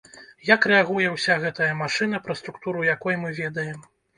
Як рэагуе ўся гэтая машына, пра структуру якой мы ведаем?